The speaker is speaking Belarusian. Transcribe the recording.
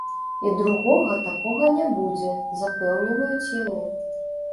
І другога такога не будзе, запэўніваюць яны.